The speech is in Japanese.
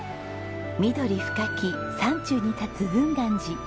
緑深き山中に立つ雲巌寺。